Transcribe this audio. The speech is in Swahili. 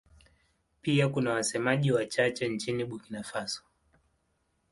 Pia kuna wasemaji wachache nchini Burkina Faso.